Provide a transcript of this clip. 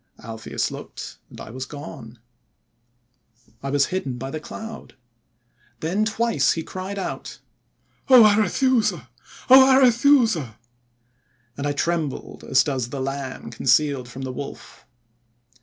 "Alpheus looked and I was gone. I was 150 THE WONDER GARDEN hidden by the cloud. Then twice he cried out, *O Arethusa! O Arethusa!' and I trembled as does the Lamb concealed from the Wolf.